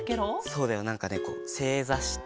そうだよなんかねせいざして。